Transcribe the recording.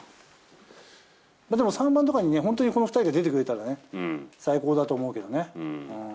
でも３番とかにね、この２人が出てくれたらね、最高だと思うけどね。